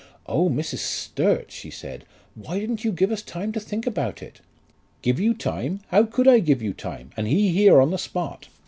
"Oh, Mrs. Sturt!" she said, "why didn't you give us time to think about it?" "Give you time! How could I give you time, and he here on the spot?